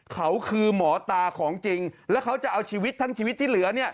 เขาคือหมอตาของจริงแล้วเขาจะเอาชีวิตทั้งชีวิตที่เหลือ